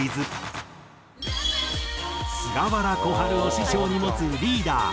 菅原小春を師匠に持つリーダーＡＯ。